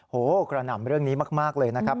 กระหน่ำเรื่องนี้มากเลยนะครับ